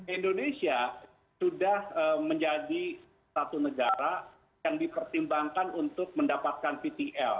indonesia sudah menjadi satu negara yang dipertimbangkan untuk mendapatkan ptl